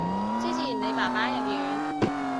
之前你爸爸入院